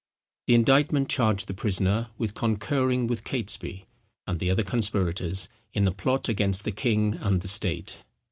The indictment charged the prisoner, with concurring with Catesby, and the other conspirators, in the plot against the king and the state.